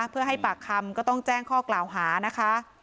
เพื่อให้ปากคำก็ต้องแจ้งข้อกล่าวหานะคะ